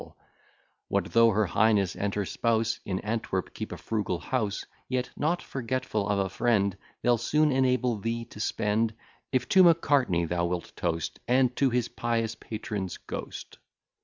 What though her highness and her spouse, In Antwerp keep a frugal house, Yet, not forgetful of a friend, They'll soon enable thee to spend, If to Macartney thou wilt toast, And to his pious patron's ghost.